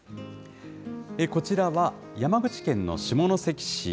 こちらは山口県の下関市。